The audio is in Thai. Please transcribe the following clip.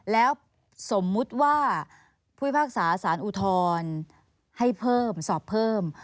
แล้วสมมุติว่าผู้พิพากษาสารอุทธรณ์ให้เพิ่มสอบเพิ่ม